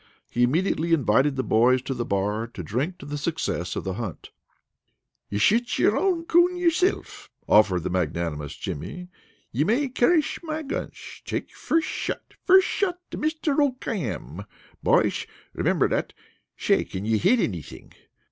He immediately invited the boys to the bar to drink to the success of the hunt. "You shoot own coon yourself," offered the magnanimous Jimmy. "You may carrysh my gunsh, take first shot. First shot to Missher O'Khayam, boysh, 'member that. Shay, can you hit anything?